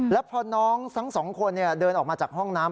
แล้วพอน้องทั้งสองคนเดินออกมาจากห้องน้ำ